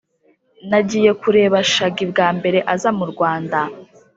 Nagiye kureba shagi bwa mbere aza mu Rwanda